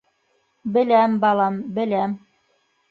— Беләм, балам, беләм.